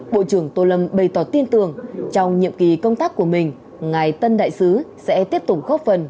bộ trưởng tô lâm bày tỏ tin tưởng trong nhiệm kỳ công tác của mình ngài tân đại sứ sẽ tiếp tục góp phần